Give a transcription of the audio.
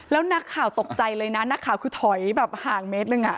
แล้วนักข่าวตกใจเลยนะนักข่าวคือถอยแบบห่างเมตรหนึ่ง